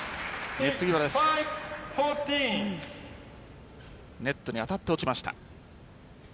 ネットに当たって落ちました。